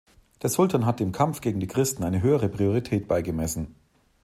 Der Sultan hat dem Kampf gegen die Christen eine höhere Priorität beigemessen.